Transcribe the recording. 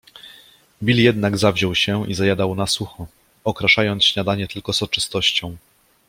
Bill jednak zawziął się i zajadał na sucho, okraszając śniadanie tylko soczystością